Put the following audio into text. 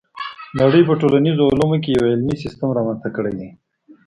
نړۍ په ټولنیزو علومو کې یو علمي سیستم رامنځته کړی دی.